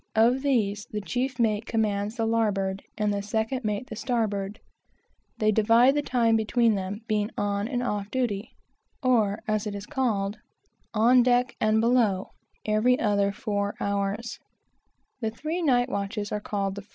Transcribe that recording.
Of these the chief mate commands the larboard, and the second mate the starboard. They divide the time between them, being on and off duty, or, as it is called, on deck and below, every other four hours.